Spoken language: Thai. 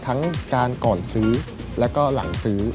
ทั้งการก่อนซื้อแล้วก็หลังซื้อ